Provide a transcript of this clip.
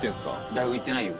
大学いってないよ。